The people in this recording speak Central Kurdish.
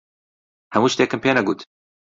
هەموو شتێکم پێ نەگوت.